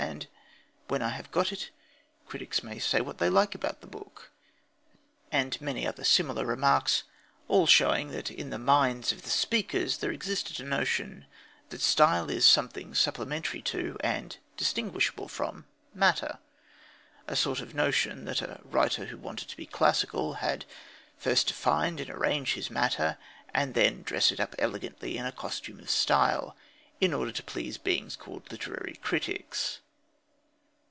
And when I have got it, critics may say what they like about the book." And many other similar remarks, all showing that in the minds of the speakers there existed a notion that style is something supplementary to, and distinguishable from, matter; a sort of notion that a writer who wanted to be classical had first to find and arrange his matter, and then dress it up elegantly in a costume of style, in order to please beings called literary critics.